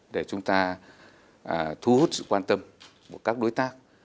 để chúng ta thu hút sự quan tâm của các đối tác